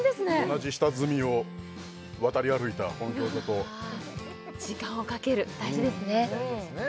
同じ下積みを渡り歩いた時間をかける大事ですね